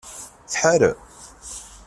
Tḥarem?